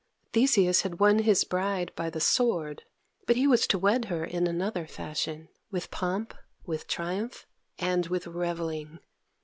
Theseus had won his bride by the sword, but he was to wed her in another fashion with pomp, with triumph, and with revelling.